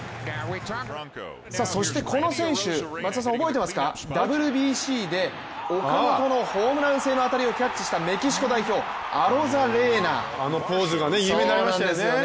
そしてこの選手、松田さん覚えてますか、ＷＢＣで岡本のホームラン制の当たりをキャッチしたあのポーズが有名になりましたね。